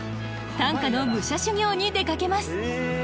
短歌の武者修行に出かけます！